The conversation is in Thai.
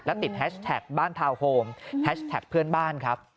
และติดแฮชแท็กบ้านทาวน์โฮมแฮชแท็กเพื่อนบ้านครับ